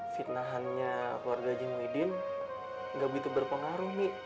fitnahannya keluarga haji muhyiddin gak begitu berpengaruh mi